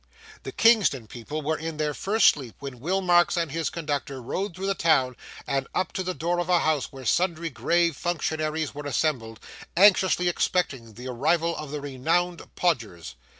The Kingston people were in their first sleep when Will Marks and his conductor rode through the town and up to the door of a house where sundry grave functionaries were assembled, anxiously expecting the arrival of the renowned Podgers.